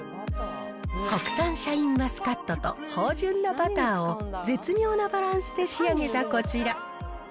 国産シャインマスカットと、芳じゅんなバターを絶妙なバランスで仕上げたこちら。